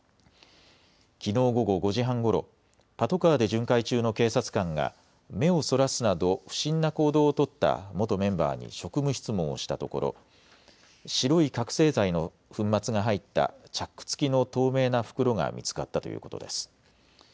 きのう午後５時半ごろパトカーで巡回中の警察官が目をそらすなど不審な行動を取った元メンバーに職務質問をしたところ白い覚醒剤の粉末が入ったチャック付きの透明な袋が見つかったということです。